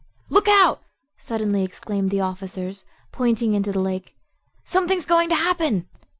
"Look out!" suddenly exclaimed the officers, pointing into the lake; "something's going to happen."